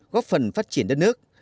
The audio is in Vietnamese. góp phần phát triển đất nước